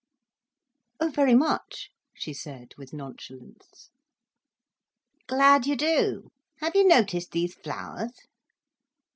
"Oh, very much," she said, with nonchalance. "Glad you do. Have you noticed these flowers?"